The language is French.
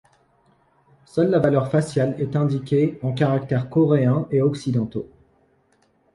Seule la valeur faciale est indiquée en caractères coréens et occidentaux.